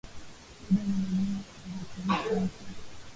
Dada amenunua tarakilishi mpya.